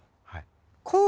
はい。